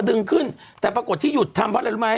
ดึงขึ้นแต่ปรากฏที่หยุดทำเพราะอะไรรู้ไหม